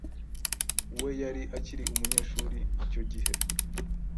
we yari akiri umunyeshuri icyo gihe